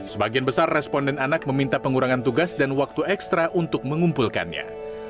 sebagian besar responden anak meminta pengurangan tugas dan waktu ekstra untuk mengumpulkannya